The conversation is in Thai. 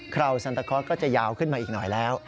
ราวซันตะคอร์สก็จะยาวขึ้นมาอีกหน่อยแล้ว